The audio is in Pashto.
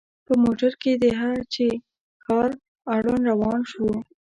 په موټر کې د هه چه ښار اړوند روان شوو.